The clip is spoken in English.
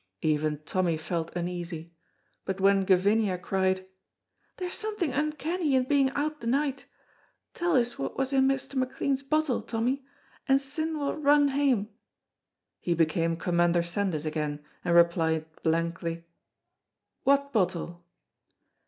Even Tommy felt uneasy, but when Gavinia cried, "There's something uncanny in being out the night; tell us what was in Mr. McLean's bottle, Tommy, and syne we'll run hame," he became Commander Sandys again, and replied, blankly, "What bottle?"